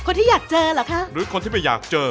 ที่อยากเจอเหรอคะหรือคนที่ไม่อยากเจอ